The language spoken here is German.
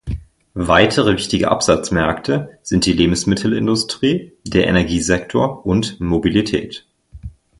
Weitere wichtige Absatzmärkte sind die Lebensmittelindustrie, der Energiesektor und Mobilität.